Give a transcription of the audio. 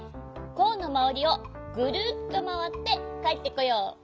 コーンのまわりをぐるっとまわってかえってこよう。